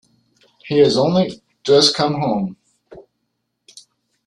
He has only just come home.